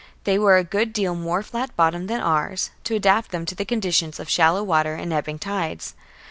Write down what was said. They were a good deal more flat bottomed than ours, to adapt them to the conditions of shallow water and ebbing tides.